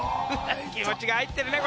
気持ちが入ってるね